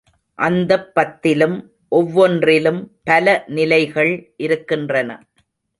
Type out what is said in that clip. அந்தப் பத்திலும் ஒவ்வொன்றிலும் பல நிலைகள் இருக்கின்றன.